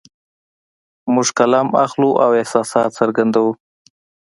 موږ قلم اخلو او احساسات څرګندوو